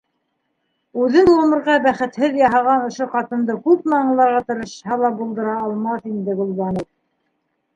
Үҙен ғүмергә бәхетһеҙ яһаған ошо ҡатынды күпме аңларға тырышһа ла булдыра алмаҫ инде Гөлбаныу.